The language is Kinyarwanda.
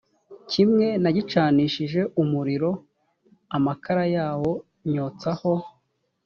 kimwe nagicanishije umuriro amakara yawo nyotsaho